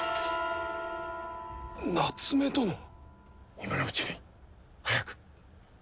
今のうちに早く。